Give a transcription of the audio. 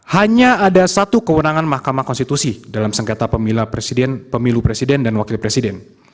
hanya ada satu kewenangan mahkamah konstitusi dalam sengketa pemilu presiden pemilu presiden dan wakil presiden